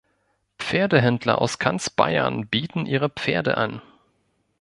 Pferdehändler aus ganz Bayern bieten ihre Pferde an.